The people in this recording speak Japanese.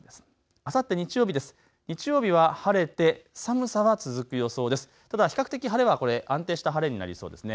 あさって日曜日です。